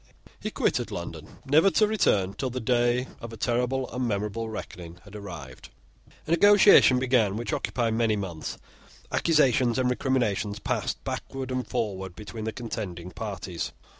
He quitted London, never to return till the day of a terrible and memorable reckoning had arrived. A negotiation began which occupied many months. Accusations and recriminations passed backward and forward between the contending parties.